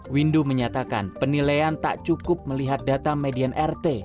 windu menyatakan penilaian tak cukup melihat data median rt